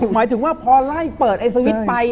หมายถึงว่าพอไล่เปิดไอสวิตช์ไป